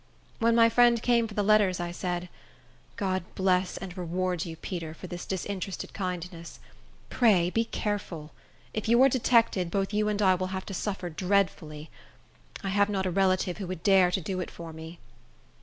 When my friend came for the letters, I said, "God bless and reward you, Peter, for this disinterested kindness. Pray be careful. If you are detected, both you and I will have to suffer dreadfully. I have not a relative who would dare to do it for me."